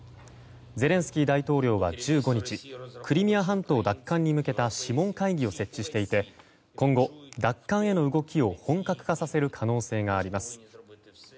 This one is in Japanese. ゼレンスキー大統領は１５日クリミア半島奪還に向けた諮問会議を設置していて今後、奪還への動きを本格化させる可能性があります。